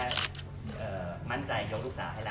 สามารถที่สามีให้ดีที่สุดครับ